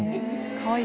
かわいい。